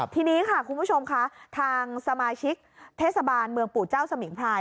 ทีนี้ค่ะคุณผู้ชมค่ะทางสมาชิกเทศบาลเมืองปู่เจ้าสมิงพราย